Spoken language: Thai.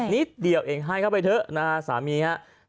นิดเดียวเองให้เข้าไปเถอะนะฮะสามีครับ